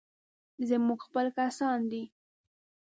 زموږ خپل کسان دي.